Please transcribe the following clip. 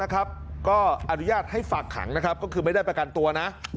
ก็อนุญาตให้ฝากขังนะครับก็คือไม่ได้ประกันตัวนะ